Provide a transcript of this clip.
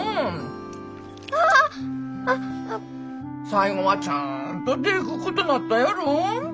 最後はちゃんとでくっことなったやろ。